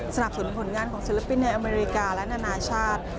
สนับสนผลงานของศิลปินในอเมริกาและนานาชาติ